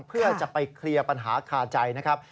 เพื่อจะไปเคลียร์ปัญหาคาใจนะครับ